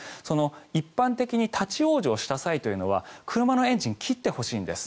一般的に立ち往生した際というのは車のエンジンを切ってほしいんです。